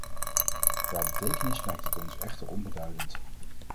Qua betekenis lijkt het ons echter onbeduidend.